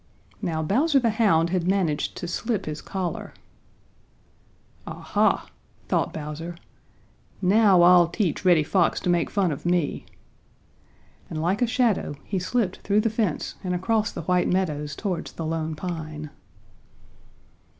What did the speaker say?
Now Bowser the Hound had managed to slip his collar. "Aha," thought Bowser, "now I'll teach Reddy Fox to make fun of me," and like a shadow he slipped through the fence and across the White Meadows towards the Lone Pine.